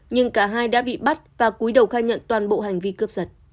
nhưng cả hai đã bị bắt và cuối đầu khai nhận toàn bộ hành vi cướp giật